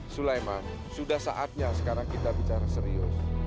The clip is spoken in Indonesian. sulaiman sudah saatnya sekarang kita bicara serius